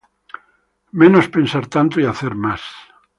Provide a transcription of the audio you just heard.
Menos pensar tanto y hacer más